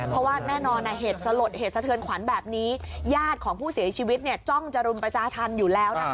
เพราะว่าแน่นอนเหตุสลดเหตุสะเทือนขวัญแบบนี้ญาติของผู้เสียชีวิตจ้องจรุมประชาธรรมอยู่แล้วนะคะ